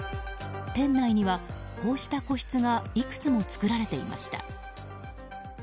店内には、こうした個室がいくつも作られていました。